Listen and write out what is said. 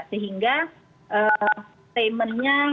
sehingga temennya lebih